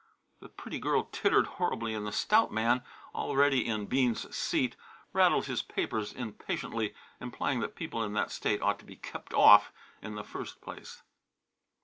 The pretty girl tittered horribly and the stout man, already in Bean's seat, rattled his papers impatiently, implying that people in that state ought to be kept off in the first place.